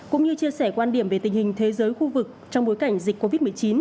cũng như chia sẻ quan điểm về tình hình thế giới khu vực trong bối cảnh dịch covid một mươi chín